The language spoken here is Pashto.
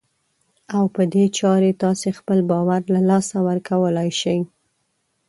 او په دې چارې تاسې خپل باور له لاسه ورکولای شئ.